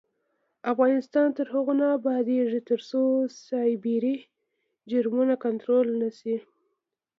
افغانستان تر هغو نه ابادیږي، ترڅو سایبري جرمونه کنټرول نشي.